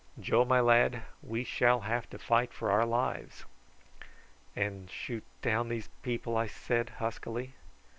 Joe, my lad, we shall have to fight for our lives." "And shoot down these people?" I said huskily.